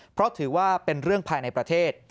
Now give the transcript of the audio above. เพราะถือว่าเป็นเรื่องภายในประเทศ